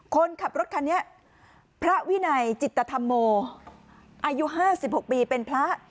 คนขับรถคันนี้พระวินัยจิตธรรมโมอายุ๕๖ปีเป็นพระ